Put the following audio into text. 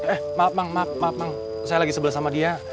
eh maaf mang maaf mang saya lagi sebelah sama dia